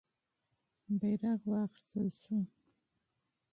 بیرغ واخیستل سو.